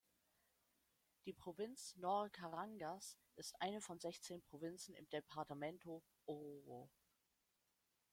Die Provinz Nor Carangas ist eine von sechzehn Provinzen im Departamento Oruro.